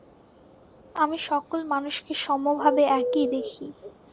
আমি সকল মানুষকে সমভাবে একই দেখি।